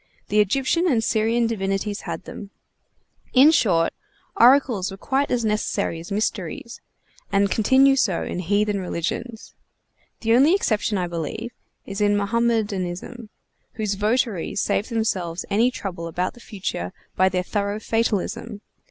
The Egyptian and Syrian divinities had them; in short, oracles were quite as necessary as mysteries, and continue so in heathen religions. The only exception, I believe, is in Mohammedanism, whose votaries save themselves any trouble about the future by their thorough fatalism.